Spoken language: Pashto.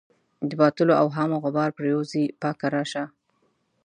د باطلو اوهامو غبار پرېوځي پاکه راشه.